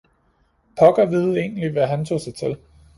Pokker vide egentlig, hvad han tog sig til.